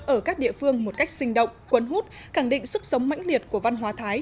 ở các địa phương một cách sinh động quấn hút cẳng định sức sống mãnh liệt của văn hóa thái